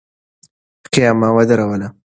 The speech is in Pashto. خېمه ودروله.